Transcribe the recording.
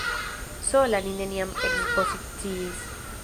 Sola li neniam ekspoziciis.